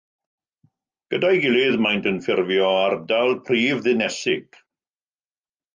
Gyda'i gilydd maent yn ffurfio ardal prifddinesig.